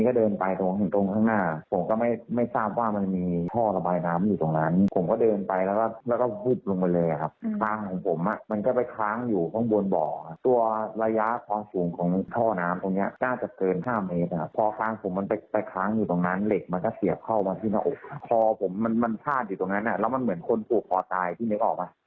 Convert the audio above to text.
คอผมมันพลาดอยู่ตรงนั้นอ่ะแล้วมันเหมือนคนปวดคอตายที่นึกออกอ่ะ